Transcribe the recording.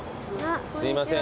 すいません。